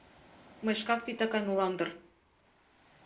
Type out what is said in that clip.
Мый шкак титакан улам дыр...